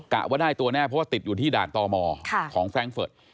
ะว่าได้ตัวแน่เพราะว่าติดอยู่ที่ด่านตมของแฟรงคเฟิร์ต